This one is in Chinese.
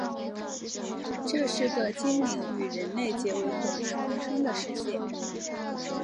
这是个精灵与人类结为夥伴共生的世界。